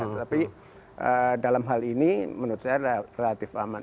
tetapi dalam hal ini menurut saya relatif aman